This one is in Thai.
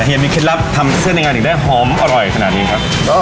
ยังมีเคล็ดลับทำเสื้อในงานอีกได้หอมอร่อยขนาดนี้ครับ